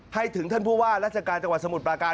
ถึงท่านผู้ว่าราชการจังหวัดสมุทรปราการ